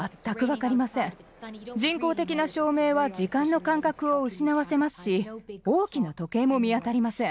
人工的な照明は時間の感覚を失わせますし大きな時計も見当たりません。